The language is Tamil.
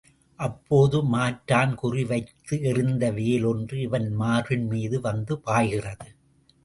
அப்போது மாற்றான் குறி வைத்து எறிந்த வேல் ஒன்று இவன் மார்பின் மீது வந்து பாய்கிறது.